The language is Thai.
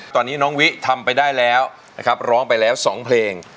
ตอนนี้น้องวิทำไปได้แล้วนะครับร้องไปแล้ว๒เพลง